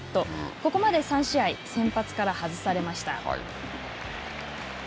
ここまで３試合、先発から外されました。